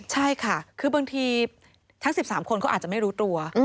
ใช่ค่ะคือบางทีทั้ง๑๓คนเขาอาจจะไม่รู้ตัว